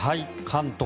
関東